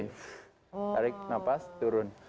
tarik nafas turun